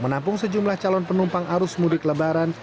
menampung sejumlah calon penumpang arus mudik lebaran